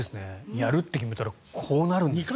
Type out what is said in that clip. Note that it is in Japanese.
やると決めたらこうなるんですね。